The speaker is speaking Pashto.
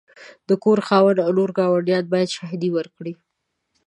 د کور خاوند او نور ګاونډیان باید شاهدي ورکړي.